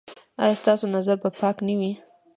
ایا ستاسو نظر به پاک نه وي؟